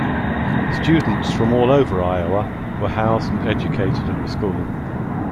Students from all over Iowa were housed and educated at the school.